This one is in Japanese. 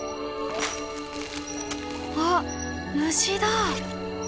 「あっ虫だ」。